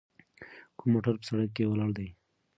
کوم موټر په سړک کې ولاړ دی؟